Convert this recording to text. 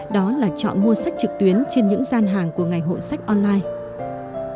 đó là chọn mua sách trực tuyến trên những gian hàng của ngày hội sách online